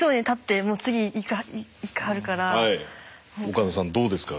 岡田さんどうですか？